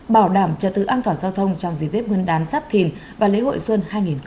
bảo đảm cho tự an toàn giao thông trong dịp tết nguyên đán giáp thìn và lễ hội xuân hai nghìn hai mươi bốn